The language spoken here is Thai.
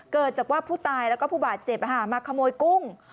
เกิดจากว่าผู้ตายแล้วก็ผู้บาดเจ็บมาขโมยกุ้ง